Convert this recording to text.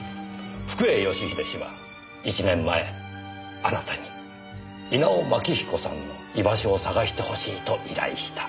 福栄義英氏は１年前あなたに稲尾真木彦さんの居場所を捜してほしいと依頼した。